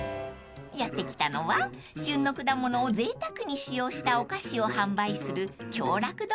［やって来たのは旬の果物をぜいたくに使用したお菓子を販売する］